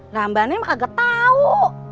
gambarnya mah agak tau